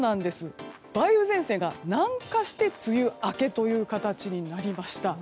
梅雨前線が南下して梅雨明けという形になりました。